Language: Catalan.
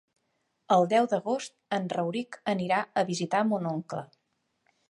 El deu d'agost en Rauric anirà a visitar mon oncle.